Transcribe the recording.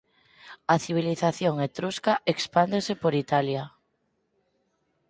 A civilización etrusca expándese por Italia.